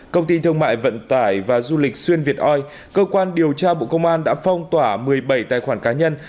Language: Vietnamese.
công ty thương mại vận tải và du lịch xuyên việt oi cơ quan điều tra bộ công an đã phong tỏa một mươi bảy tài khoản cá nhân